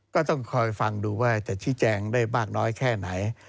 ก็ต้องคอยฟังดูว่าจะชี้แจงได้มากน้อยแค่ไหน